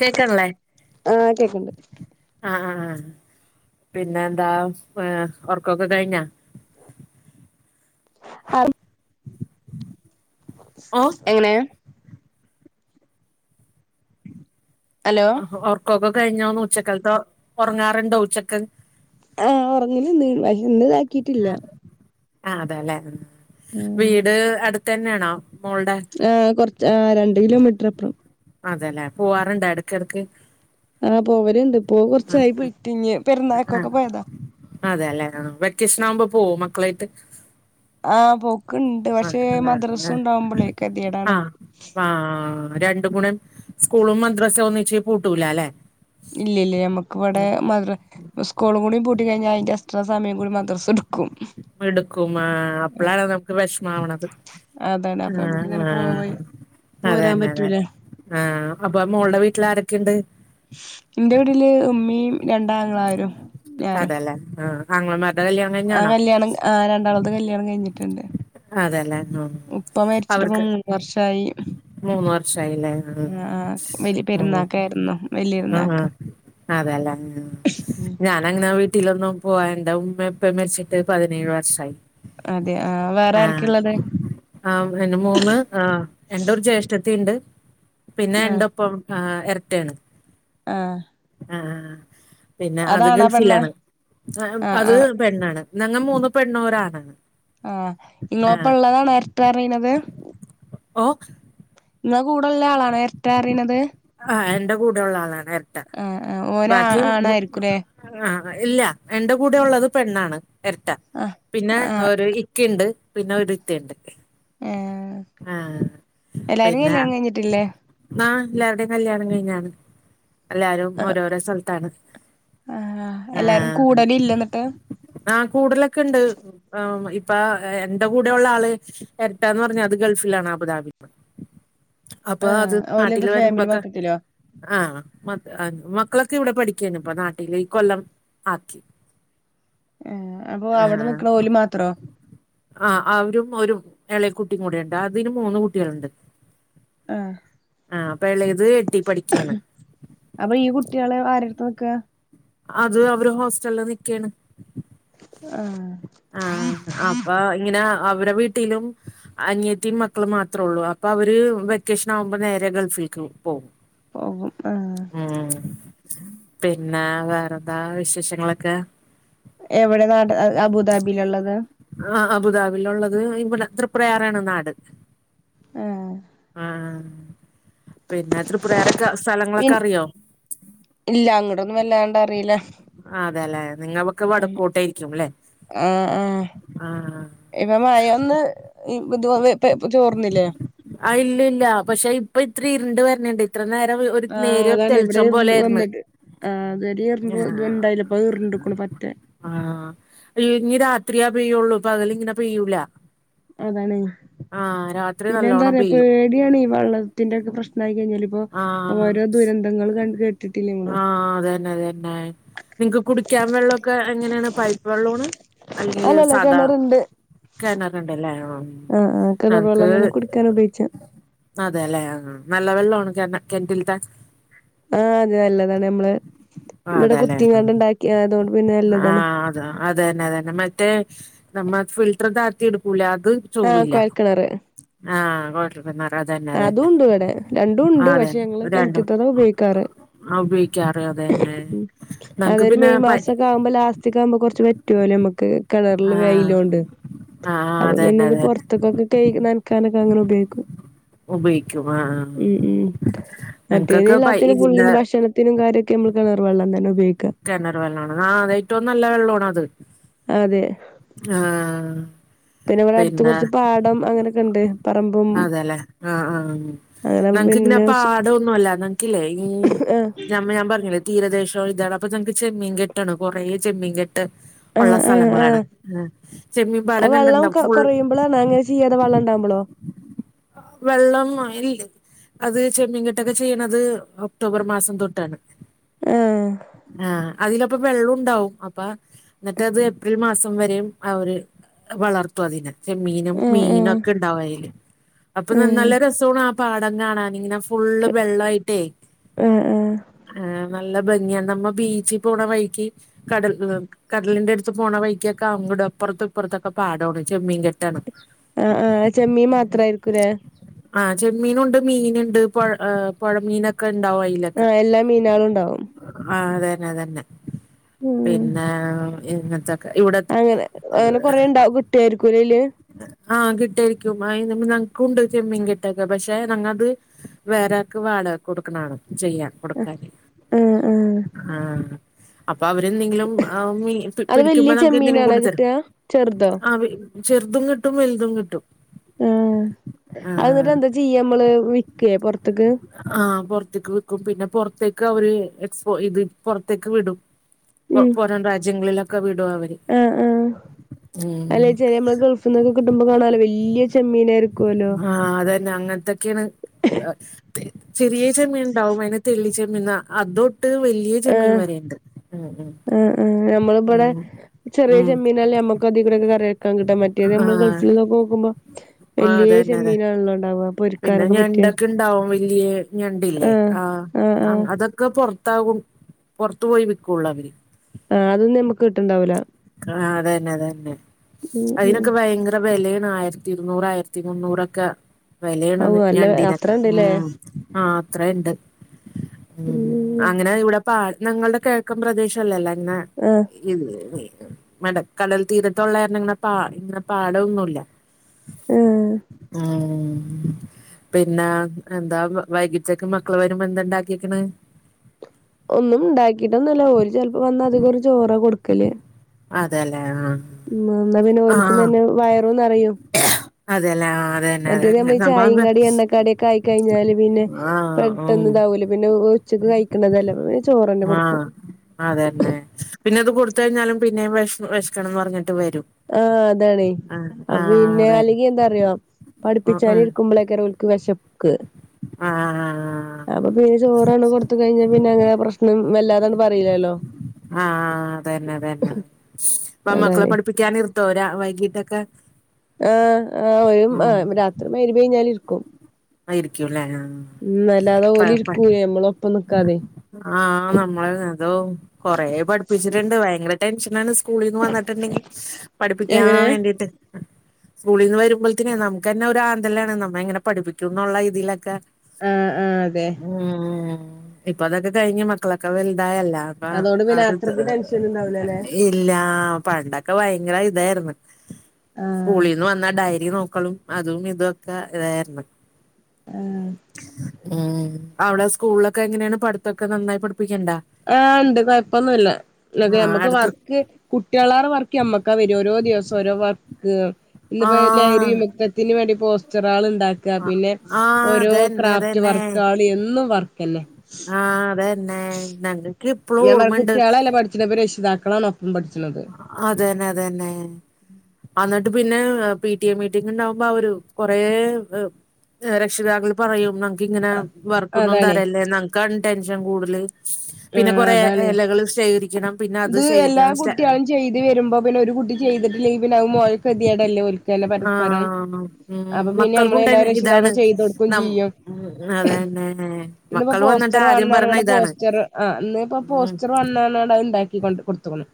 കേക്കണ്ല്ലേ ആഹ് കേക്ക്ണ്ട് ആഹ് ആഹ് ആഹ് പിന്നെന്താ ഏഹ് ഉറക്കൊക്കെ കഴിഞ്ഞോ? ഹായ് ഓ എങ്ങനെയാ? ഹലോ ഓഹോ ഒർക്കൊക്കെ കഴിഞ്ഞോന്ന് ഉച്ചൽക്കത്തെ ഒറങ്ങാറൊണ്ടോ ഉച്ചക്ക്? ആഹ് ഉറങ്ങീലിന്ന് അത് ഇന്ന് ആക്കിട്ടില്ല. ആ അതാല്ലേ. വീട് അടുത്തന്നെയാണോ? മോൾടെ ആഹ് കൊറച്ച് ആഹ് രണ്ട് കിലോമീറ്ററപ്പ്റം. അതെല്ലേ. പോവാറൊണ്ടോ എടക്കെടക്ക്. ആഹ് പോവലുണ്ടിപ്പോ. ആ കുറച്ചായി പോയിട്ട് നി പിറന്നാക്കൊക്കെ പോയതാ. അതെല്ലെ. വെക്കേഷനാമ്പോ പോവോ മക്കളായിട്ട്? ആഹ്, പൊക്കൊണ്ട് ആ പക്ഷേ മദ്രാസയുണ്ടാവുമ്പോളേകതിടാണ്. പാ രണ്ടു ഗുണം സ്കൂളും മദ്രസേ ഒന്നിച്ച് പൂട്ടൂലല്ലേ? ഇല്ല ഇല്ല. ഞമ്മെക്കെവെടെ മദ്ര സ്കൂളും കൂടി പൂ പൂട്ടികഴ്ഞ്ഞാ അതിന്റെ എക്‌സ്ട്രാ സമയം കൂടി മദ്രസെടും. എടുക്കും. ആ അപ്പളാണ് നമ്മെക്ക് വിഷമാവണത്. അതാണ് അപ്പൊ ആഹ് നമുക്ക് ഇങ്ങനെ പോയി ആഹ് പോരാൻ അതന്നെ അതന്നെ. പറ്റൂല ആ, അപ്പൊ മോള്ടെ വീട്ടിലാരൊക്കേണ്ട്? ഇന്റെ വീടില് ഉമ്മീ രണ്ടാങ്ങളാരും ഞാനും അതെല്ലേ ആഹ് ആങ്ങളമാരുടെ കല്യാണം ആ കഴിഞ്ഞാണോ? കല്യാണം, ആ [unintelligible] കല്യാണം കഴിഞ്ഞിട്ടുണ്ട് അതെല്ലേ ഉം ഉപ്പ മരിച്ചിട്ട്പ്പോ അവർക്ക് മൂന്നുവർഷായി മൂന്ന് വർഷായില്ലേ ഉം ആ ഉം വലിയപെരുന്നാക്കായിരുന്നു, ഉം ഉം [unintelligible] [unintelligible] ഞാനങ്ങനെ വീട്ടിലൊന്നും പോവാ [unintelligible] ഉമ്മേം ഉപ്പേം മരിച്ചിട്ട് പതിനേഴ് വർഷായി അതെ, അ ആ, ആ, എന്റെ മൂന്ന്, എൻ്റെ ഒരു ജേഷ്ഠത്തീണ്ട് പിന്നെ, എൻ്റൊപ്പം ഇരട്ടയാണ് അഹ്‌ ആഹ് പിന്നെ അത് ഗൾഫിലാണ് ഉം ‌ ആഹ് അത് ആഹ് പെണ്ണാണ് ഞങ്ങ മൂന്നു പെണ്ണും ഒരാണുവാണ് ആഹ് [unintelligible] നേരിട്ടറീണത്? ഓക് ഇങ്ങ കൂടുളളാളാ നേരിട്ടറീണത് എന്റെ കൂടെള്ള ആളാണ് എരട്ട, ആഹ് ആഹ് ഓന് ആ ബാക്കി ആണായിരിക്കുംല്ലേ ഇല്ല, എന്റെ കൂടെള്ളത് പെണ്ണാണ്, എരട്ട. ആഹ് പിന്നെ, ആഹ് ഒരു ഇക്കയ്ണ്ട് പിന്നെ ഒരുത്തിണ്ട് ഏഹ് ആഹ് എല്ലാരും പിന്നെ കല്യാണം കഴിഞ്ഞിട്ടില്ലേ ഉം ന്ന എല്ലാരുടേം കല്യാണം കഴിഞ്ഞാണ്, എല്ലാരും ആഹ് ഓരോരോ സൽത്താണ് ആഹ് ആ, എല്ലാരും കൂടലില്ലേ എന്നിട്ട് ആഹ്, കൂടലൊക്കെണ്ട് ആ ഇപ്പ അ എന്റെ കൂടെഉള്ള ആള് എരട്ടാന്ന് പറഞ്ഞാ അത് ഗൾഫിലാണ് അബുദാബി ആഹ് ഓലെ വരൂമ്പൊക്കെ, ആ [unintelligible] ക്കളൊക്കെവിടെ പഠിക്കാണ് ഇപ്പൊ നാട്ടില്, ഇക്കൊല്ലം ആക്കി ആഹ് അപ്പൊ ആ, അവിടെ നിക്കണ ഓല് മാത്രോ ആ, അവരും ഓരും ഇളയ കുട്ടിം കൂടെണ്ട് അതിന് മൂന്ന് കുട്ടിള്ണ്ട് ആഹ്, എട്ടി പഠിക്കയാണ് അപ്പൊ ഈ കുട്ടികളെ ആര [unintelligible] അത് അവര് ഹോസ്റ്റലില് നിക്കയാണ് ആഹ് ആ, അപ്പൊ ഇങ്ങനെ അവരെ വീട്ടിലും അനിയത്തീം മക്കളും മാത്രോള്ളു, അപ്പൊ അവര് വെക്കേഷനാവുമ്പോ നേരെ ഗൾഫി [unintelligible] [unintelligible] പിന്നെ വേറെന്താ വിശേഷങ്ങളൊക്കെ എവിടെയാ അബുദാബീലള്ളത്? ആ അബുദാബിലള്ളത് ഇവ്വടേ ത്രിപുരയാറാണ് നാട് ആഹ് ആ, പിന്നെ തൃപ്രയാറൊക്കെ പി സ്ഥലങ്ങളൊക്കെ അറിയൊ ഇല്ല, അങ്ങടൊന്നും വല്ലാണ്ടറീല നിങ്ങവക്ക് വടക്കോട്ടായിരിക്കും, ല്ലേ? ആ ആ, [unintelligible] [unintelligible] ഇപ്പ ചോർന്നില്ലേ ആ, ഇല്ല ഇല്ല, പക്ഷെ ഇപ്പൊ ഇത്തിരി ഇരുണ്ട് വരണുണ്ട്, ഇത്ര നേ ഒരു നേരിയ തെളിച്ചം പോലെ ആരുന്ന് അത് [unintelligible] ആഹ് ഇനി രാത്രിയാ പെയ്യുള്ളൂ, പകലിങ്ങനെ പെയ്യൂല അതാണ് ആ, രാത്രി പിന്നെ നല്ലോ എന്താ പേടിയാണ് ഈ വെള്ളത്തിന്റെൊക്കെ പ്രശ്നായിഴിഞ്ഞാ ഇപ്പോ ഓരോ ദുരന്തങ്ങൾ ക ആ അതന്നെ അതതന്നെ നിങ്ങക്ക് കുടിക്കാൻ വെള്ളമൊക്കെ എങ്ങനെയാണ് പൈപ്പ് വെള്ളാണ് അല്ലെങ്കില് അല്ലല്ല സാദാ കിണറുണ്ട് കണറുണ്ടല്ലേ ആഹ് ആഹ് കിണർ മുക്ക് വെള്ളം തന്നെ കുടിക്കാൻ ഉപയോഗിച്ച അതെല്ലേ നല്ല വെള്ളമാണ് ക കിണറ്റിലിത്തെ ആ അത് നല്ലതാണ് നമ്മള് ഇവിടെ അതെല്ലെ കുത്തിങ്ങാണ്ട് ഉണ്ടാക്കിയ അതുകൊണ്ട് പിന്നെ ആ നല്ലതാണ് അത അതന്നെ അതന്നെ മറ്റേ നമ്മ ഫിൽട്ടർ താത്തി എടുക്കൂല അത് ആഹ് ചോവല്ല കൊഴൽക്കിണറ് ആ അതും ഉണ്ട് ഇവിടെ രണ്ടും ആ ഉണ്ട് പക്ഷെ അതന്നെ ഞങ്ങള് രണ്ടും കിണറ്റത്തതാ ഉപയോഗിക്കാറ് ആ ഉപയോഗിക്കാറ് അതന്നെ ഉം നമുക്ക് അതൊരു പിന്നെ മെയ് പ മാസംക്കെ ആവുമ്പോ ലാസ്റ്റക്ക ആകുമ്പോ കുറച്ച് വറ്റുവല്ലേ നമ്മുക്ക് കിണറില് ആഹ് വെയിലോണ്ട് ആഹ് അപ്പൊ പിന്നെ അതന്നെ ഇത് അതന്നെ പുറത്തക്കൊക്കെ കഴിചി നനക്കാനൊക്കെ അങ്ങനെ ഉപയോഗിക്കും ഉപയോഗിക്കും ആഹ് ആഹ് ഉ ഉം മറ്റേത് ഞങ്ങക്കൊക്കെ പൈ എല്ലാത്തിനും ഫുള്ളും ഇതിന്റെ ഭക്ഷണത്തിനും കാര്യ ക്ക് ഞമ്മള് കിണർ വെള്ളംതന്നെ കിണർ വെള്ളമാണ് ആ അതെ ഏറ്റവും നല്ല വെള്ളാണ് അത് അതെ ആ ഇവിടെ അടുത്ത് പിന്നെ കുറച്ച് പാടം അങ്ങനെയൊക്കെ ഉണ്ട് പറമ്പും അതെല്ലെ ആ ആ അങ്ങനെ നങ്ങക്ക് ഇങ്ങനെ പിന്നെ പാടം ഒന്നുമല്ല നങ്ങല്ലേ ഈ ആഹ് ഞമ്മ ഞാൻ പറഞ്ഞല്ലേ തീരദേശ ഇതട അപ്പ നക്ക് ചെമ്മീൻ കെട്ടാണ് കുറെ ചെമ്മീൻ കെട്ട് ഉള്ള ആഹ് ആഹ് ആഹ് സ്ഥലങ്ങളാണ് ചെമ്മീ അത് പാടം വെള്ളം കണ്ടിട്ടുണ്ടോ കൊ ഫുൾ കൊറയുമ്പളാണോ അങ്ങനെ ചെയ്യാതെ വള്ളം ഇണ്ടാവുമ്പളോ വെള്ളം മഴ ഇല്ല അത് ചെമ്മീൻ കെട്ടൊക്കെ ചെയ്യണത് ഒക്ടോബർ മാസം തൊട്ടാണ് ആഹ് ആ അതില് ഇപ്പൊ വെള്ളം ഉണ്ടാവും അപ്പ എന്നിട്ട് അത് ഏപ്രിൽ മാസം വരെയും ആ ഒരു വളർത്തു അതിനെ ചെമ്മീനും ആഹ് മീനും ആഹ് ഒക്കെ ഉണ്ടാവും അയില് അപ്പൊ ആഹ് നല്ല രസമാണ് പാടം കാണാൻ ഇങ്ങനെ ഫുള്ള് വെള്ളം ആയിട്ടേ ഉം ഉം ആ നല്ല ഭംഗിയാണ് നമ്മ ബീച്ചിൽ പോണ വഴിക്കി കടൽ കടലിന്റെ അടുത്ത് പോണ വഴിക്കി ദ അങ്ങോട് അപ്പുറത്ത് ഇപ്പുറത്തൊക്കെ പാടം ആണ് ചെമ്മീൻ കെട്ടാണ് ആ ആ ചെമ്മീ മാത്രായി ആ ചെമ്മീന് ഒണ്ട് മീനുണ്ട് പുഴമീനൊക്കെ ഉണ്ടാവും ആ എല്ലാ മീനാളും ഉണ്ടാവും ആ അതന്നെ അതന്നെ ഉം പിന്നെ ഇന്നത്തെ അങ്ങനെ അങ്ങനെ കൊറേ ഉണ്ടാവും കിട്ടിയായിരിക്കൂല്ലല് ആ കിട്ടരിക്കും ആ നക്ക് ഉണ്ട് ചെമ്മീൻ കെട്ടക്കെ പക്ഷെ ഞങ്ങത് വേറെ ആക്ക് വാടകക്ക് കൊടുക്കണാണ് ചെയ്യാൻ കൊടുക്കാന് ആഹ് ആഹ് ആ അപ്പൊ അവ എന്നെ ങ്കിലും അത് വല്യ പിടിക്കുമ്പോ നമുക്ക് എന്തെങ്കിലും ചെമ്മീനാണോ കൊണ്ടു തരും കിട്ടാ ചെറുതോ ആ പിടി ചെറുതും കിട്ടും വലുതും കിട്ടും ആ അത് ന്നട്ട് ആഹ് എന്താ ചെയ്യ നമ്മള് വിക്കയേ പൊറത്തേക്ക് പുറത്തേക്ക് വിക്കും പിന്നെ പുറത്തേക്ക് അവര് എക്സ്പോ ഇത് പുറത്തേക്ക് വിടും ഉം പുറം രാജ്യങ്ങളിലൊക്കെ വിടും അവര് ഉം നമ്മുള് ഗൾഫിനിന്നൊക്കെ കിട്ടുമ്പോ കാണാലോ വല്ല്യയ ചെമ്മീനായിരിക്കുവല്ലോ ആഹ് അതന്നെ അങ്ങനത്തൊക്കെയാണ് ചെറിയ ചെമ്മീൻണ്ടാവും അനെ തെ ള്ളി ചെമ്മീന്നാ അതൊ ട്ട് വലിയ ചെമീൻ വരെ ഇണ്ട് ഉം ഉം ആ ആ നമ്മള് ഇബടെ ഉം ചെറിയ ഉം ചെമ്മീനല്ലേ നമ്മക്ക് അധികം ഇവിടെക്കെ കറി കിട്ട മറ്റേത് നമ്മള് ആഹ് ഗൾഫിൽ നിന്നൊക്കെ നോക്കുമ്പോ ആഹ് വലിയ അതന്നെ അതെ ചെമ്മീനാണല്ലോ ഇണ്ടാവുക പിന്നെ ഞണ്ടൊക്കെ ഇണ്ടാവും വലിയ ഞണ്ടല്ലേ ആഹ് ആ ആഹ് ആഹ് അതൊക്കെ പുറ ത്താകും പുറത്തു പോയി വിൽക്കുള്ളൂ അവര് ആ അതൊന്നും നമുക്ക് കിട്ടലണ്ടാവൂല ആ അതന്നെ അത തന്നെ ഉം ഉം അതിനൊക്കെ ഭയങ്കര വിലയ ആയിരത്തി ഇരുന്നൂറ ആയിരത്തി മുന്നൂറൊക്കെ ഔ വിലയണന്ന് നല്ല ഞണ്ടീനൊക്കെ അത്രണ്ട്ല്ലേ ഉം ആ അത്ര ഇണ്ട് ഉ ഉം അങ്ങനെ ഇവിടെ പാ ഞങ്ങളുടെ കിഴക്കും പ്രദേശല്ലല്ലേ എന്ന ആഹ് ഇത് മട കടൽ തീരതൊള്ള ഇങ്ങനെ പാ ഇങ്ങനെ പാടന്നുല്ല ആഹ് ആഹ പിന്നെ എന്താ വൈകിട്ടേക്കെ മക്കള് വരുമ്പോ എന്ത ഇണ്ടാക്കിക്കണ് ഒന്നും ഇ ണ്ടാക്കിട്ട ഒന്നല്ല ഓര് ചിലപ്പോ വന്ന അധികം ഒരു ചോറ കൊടുക്കല് അതെല്ലേ ആഹ് ഉ എന്നാ പിന്നെ ഓൽക്കുന്ന ആഹ് തന്നെ വയറുംന്ന് നിറയും അതെല്ലേ ആഹ് അതന്നെ മറ്റേത് അതന്നെ നമ്മൾ ചായയും നമ്മ കടി എണ്ണക്കാടി ഒക്കെ ആയി കഴിഞ്ഞാല് പിന്നെ ആഹ് ഉം പെട്ടെന്ന് താവൂലെ പിന്നെ ഉച്ചക്ക് കഴിക്കണതല്ല പി ചോറ് തന്നെ കൊടുക്കും അതെ തന്നെ പിന്നെ അത് കൊടുത്ത കഴിഞ്ഞാലും പിന്നെയ വിശിക്കണംന്ന് പറഞ്ഞി ആഹ അതാണേ ആഹ് പിന്നെ അതെ അല്ലെങ്കി എന്താറിയ ഉം പഠിപ്പിച്ചാന ഉം ഇരിക്കുമ്പോളക്കര ഓൽ ക്ക് വേഷ ക്ക് ആഹ് അപ്പൊ പിന്നെ ചോറാണ് കൊടുത്ത കഴിഞ്ഞ പിന്നെ അങ്ങനെ പ്രശ്നം വല്ലാതന്ന പറയിലല്ലോ ആഹ അതന്നെ അതന്നെ പ്പം മക്കളെ അതാണ് പഠിപ്പിക്കാന ഇ തോരാ വൈകീട്ടൊക്കെ ആ ആ ഒരു ആ ഉം രാത്രി മഗ്‌രിബ് കഴിഞ്ഞാൽ ഇരിക്കും ആയിരിക്കൂല്ലേ ആ ഉം അല്ലാതെ ഓലി ഇരികൂലെ നമ്മള ഒപ്പം ഇരിക്കാതെ ആഹ നമ്മള് അതോ കൊറ പഠിപ്പിച്ചിട്ടുണ്ട് ഭയങ്കര ടെൻഷനാണ് സ്കൂളിൽന്ന് വന്നിട്ടിണ്ടെ ങ്ക പഠിപ്പിക്കാൻ എങ്ങനെ വേണ്ടിട്ട് സ്കൂളിൽ നിന്ന് വരുമ്പോഴത്തനെ നമുക്ക് തന്നെ ഒരു ആന്തലാണ് നമ്മ എങ്ങനെ പഠിപ്പിക്കും എന്നുള്ള രീതിയിലൊക്കെ ആഹ് ആഹ് അതെ ഉ ഇപ്പൊ അതൊക്കെ കഴിഞ് മക്കളൊക്കെ വല ണ്ടായല്ല അപ്പ അതോണ്ട് പിന്നെ അവ അത്രക്ക് ടെൻഷൻ ഉണ്ടാവൂലല്ലേ [inaudible] ഇല്ല പണ്ടൊക്കെ ഭയങ്കര ഇതായിരുന്നു ആഹ് സ്കൂളിൽന്ന് വന്നാ ഡയറി നോക്കലും അതും ഇതൊക്കെ ഇതായിരുന്നു ആഹ ഉം അവിടെ സ്കൂളിലൊക്കെ എങ്ങനെയാണ് പഠിത്തൊക്കെ നന്നായി പഠിപ്പിക്കണ്ടാ ആ ഉണ്ട് കൊഴപ്പൊന്നുമല്ല അപ ആഹ് മ്മക്ക് അടുത്ത് വർക്ക് കുട്ടികളെക്കാൾ വർക്ക് ഞമ്മക്കാ വരും ഓരോ ഓരോ ദിവസം ഓരോരുവർക്ക് ഇന്ന് ഇപ്പോ ആഹ് ലഹരി ദിനത്തിന് വേണ്ടി പോസ്റ്റർ ഒരാള് ഉണ്ടാക്കുക പിന്നെ ആഹ് ഓരോ അതന്നെ ക്രാഫ്റ്റ് വർക്ക ആൾ എന്നും വർക്ക് അല്ലേ ആഹ അതെന്നെ ഞങ്ങക്ക് ഇപ്പളും ഞാൻ പറ ഓർമ്മണ്ട് കുട്ട്യാളല്ല പഠിച്ച്ണെ ഇപ്പൊ രക്ഷിതാക്കളാണ് ഒപ്പം പഠിച്ച്ണത് അതെന്നെ അത തന്നെ അന്നിട്ട് പിന്നെ പി ടി എ മീറ്റിംഗ ഉണ്ടകുമ്പോ ഒരു കുറെ രക്ഷിതാക്കൾ പറയും നങ്ങക്ക് ഇങ്ങനെ വർക്കൊന്നും അതാണേ തരാല്ലേ ഞങ്ങക്കാണ് ടെൻഷൻ കൂടുതൽ പിന്നെ ആഹ് കൊറേ അതാണ് ഇലകൾ ശേഖരിക്കണം പിന്നെ അത് ഇത് എല്ലാ ശേഖരിക്കണം കുട്ട്യാളും ചെയ്ത് വരുമ്പോ പിന്നെ ഒരു കുട്ടി ചെയ്തിട്ടില്ല പിന്നെ മോൾ ക്കതിയാടല്ലേ ചില പരസ്പരം ആഹ് ഉം അപ്പൊ പിന്നെ നമ്മള് മക്കൾക്കും ടെൻ എല്ലാരും ഇതാണ് രക്ഷിതാക്കും ചെയ്ത കൊടുക്കയും നം ചെയ്യും ഉം അതന്നെ ഇന്നിപ്പോ മക്കള് വന്നിട്ട് പോസ്റ്റർ ആദ്യം പറഞ്ഞ വേണമെന്ന് ഇതാണ് പോസ്റ്റർ ആ ഇന്ന ഇപ്പോ ഉം പോസ്റ്റർ വേണമെന്ന് പറഞ്ഞ് കാരണം അത് ഉണ്ടാക്കി കൊണ്ടേ കൊടുത്തി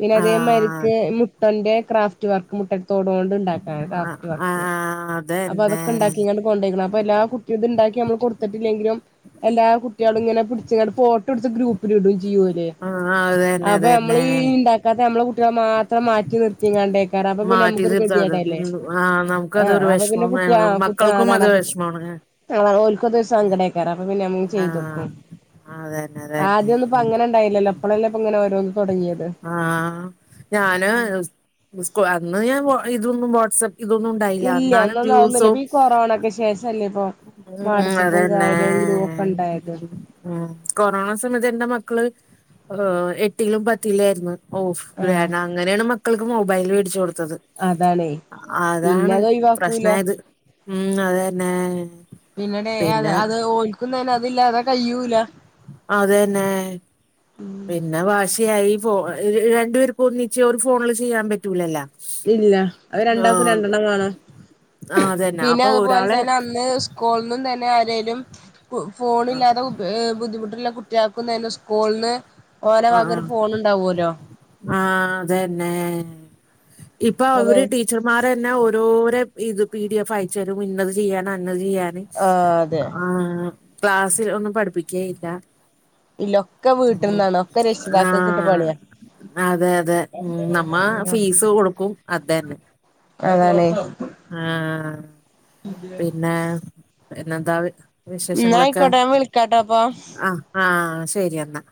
പിന്നെ അതേമാതിരിക്ക് ആഹ് മുട്ടന്റെ ക്രാഫ്റ്റ് വർക്ക് മുട്ട തോട് ഉണ്ടാക്കാൻ ആണ് ക്രാഫ്റ്റ് ആഹ് വർക്ക് അപ്പൊ അതന്നെ അതൊക്കെ ഉണ്ടാക്കി ഇങ്ങനെ കൊണ്ട് പോയി അപ്പൊ എല്ലാ കുട്ടിക ഇത് ഉണ്ടാക്കി നമ്മള് കൊടുത്തിട്ടില്ലെങ്കിലും എല്ലാ കുട്ടികളും ഇങ്ങനെ പിടിച്ചിങ്ങ ഫോട്ടോ എടുത്ത് ഗ്രൂപ്പില ഇടും ചെയ്യൂലെ ആഹ് അതന്നെ അപ്പൊ നമ്മൾ അതന്നെ ഉണ്ടാക്കാത്ത നമ്മളെ ഈ കുട്ടികളെ മാത്രം മാറ്റി നിർത്തിങ്ങാണ്ട [inaudible] അപ്പൊ പിന്നെ മാറ്റി നമുക്കൊരു നിർത്താ അത് ഗതികേട് അല്ലേ ആഹ് നമുക്കതൊരു പിന്നെ വിഷമമാണ് കുട്ടികൾ മക്കൾക്കും അത് അതാണ് വിഷമാണ് ഓർക്കും അതൊരു സങ്കടം ആയി കാണും ചെയ്തോക്ക ആഹ് അതന്നെ അതന്നെ ആദ്യംൊന്നും ഇപ്പ അങ്ങനെ ഇണ്ടായില്ലല്ലോ എപ്പോളലി ഇപ്പ ഇങ്ങനെ ഓരോ ആഹ ഞാന് സ് അന്ന് ഞാൻ ഇതൊന്നും വാട്സആപ്പ് ഇതൊന്നും ഉണ്ടായില്ല ഇല്ല എന്നാലും അന്നൊന്നും അതൊന്നുല്ല ദിവസവും ഇപ്പ ഈ കൊറോണക്ക് ശേഷല്ലേ ഇപ്പൊ ഉം വാട്സപ്പും അതന്നെ കാര്യം ഗ്രൂപ്പൊക്കെ ഉണ്ടായത് ഉം കൊറോണ സമയത്ത് എന്റെ മക്കള് എട്ടിലും പത്തിലും ആയിരുന്നു ഓഫ് ആഹ് വേഗം അങ്ങനെയാണ് മക്കൾക്ക് മൊബൈൽ മേടിച്ചു കൊടുത്തത് അതാണേ പിന്നെ അതാണ് അത് ഒഴിവാക്കൂല പ്രശ്നമായത് ഉം അത് തന്നെ പിന്നെടി അത് അത് ഓർക്കും തന്നെ അതില്ലാതെ കഴിയൂല അതെന്നെ പിന്നെ വാശി വാശിയായി രണ്ടു പേർക്ക് ഒന്നിച്ച് ഒരു ഫോണില് ചെയ്യാൻ പറ്റൂലല്ലോ ഇല്ല അത് രണ്ടാൾക്കും രണ്ടെണ്ണം വേണം ആഹ് അതന്നെ പിന്നെ അപ്പൊ അതുപോലെ ഒരാളെ തന്നെ അന്ന് സ്കൂളിന്നും തന്നെ അര ഫോണില്ലാതെ ബുദ്ധിമുട്ടുള്ള കുട്ടികൾക്കും തന്നെ സ്കൂളിന്ന് ഓലെ ആഹ വക ഒരു ഫോൺ ഉണ്ടാവുമല്ലോ ആ ആഹ അതന്നെ ഇപ്പൊ അതെ അവര് ടീച്ചർമാർ തന്നെ ഓരോര ഇത് പി ഡി എഫ് അയച്ചുതരും ഇന്നത് ചെയ്യണം ചെയ്യാന് ആഹ് അതെ ആ ക്ലാസ്സിൽ ഒന്നും പഠിപ്പിക്കേയില്ല ഇല്ല ഒക്കെ വീട്ടിന്നാണ് ഒക്കെ രക്ഷിതാക്കൾകിട്ട് ആഹ് പണിയാ അതെ അതെ നമ്മൾ ഉം ഫീസ് കൊടുക്കും അതന്നെ അതാണേ ആഹ [unintelligible] പിന്നെന്താ ന്നാ വിശേഷങ്ങളൊക്കെ ആയിക്കോട്ടെ ഞാൻ വിളിക്കാട്ടോ അപ്പൊ ആഹ ആഹ ശരി എന്നാ